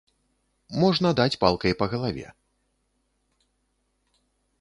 Можна даць палкай па галаве.